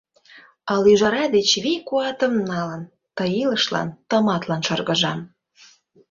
Ал ӱжара деч вий-куатым налын, Ты илышлан тыматлын шыргыжам.